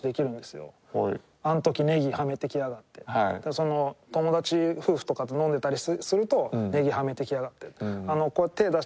その友達夫婦とかと飲んでたりすると「ネギはめてきやがって」。